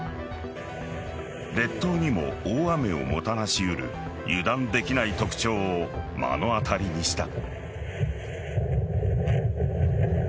列島にも大雨をもたらしうる油断できない特徴を目の当たりにした。